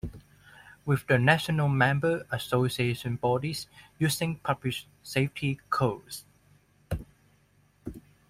With the national member association bodies using published safety codes.